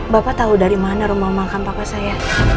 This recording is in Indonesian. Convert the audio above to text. bapak tahu dari mana rumah makan papa saya